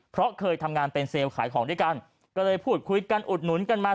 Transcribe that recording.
เพราะเคยทำงานเป็นเซลล์ขายของด้วยกันก็เลยพูดคุยกันอุดหนุนกันมา